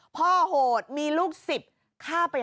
พ่อโหดมีลูก๑๐ฆ่าไป๕